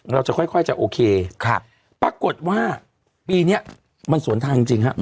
เราจะค่อยค่อยจะโอเคครับปรากฏว่าปีเนี้ยมันสวนทางจริงจริงฮะ